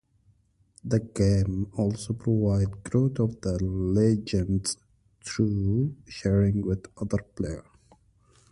The game also provided growth of the Legendz through sharing with other players.